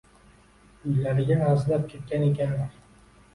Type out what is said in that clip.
uylariga arazlab ketgan ekanlar.